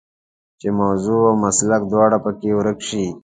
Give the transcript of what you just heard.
چې موضوع او مسلک دواړه په کې ورک شي.